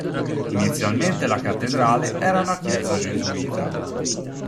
Inizialmente la cattedrale era una chiesa gesuita.